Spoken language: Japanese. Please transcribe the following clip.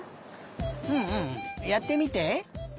うんうんやってみて。